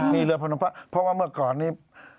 มีเรือพนมพระเพราะว่าเมื่อก่อนนี้